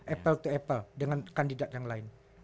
apple to apple dengan kandidat yang lain